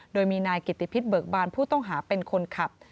โดยมีนายกิติพิษเบิกบานผู้ต้องหาเป็นคนขับ